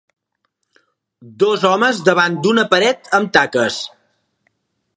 Dos homes davant d'una paret amb taques.